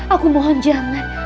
aku mohon jangan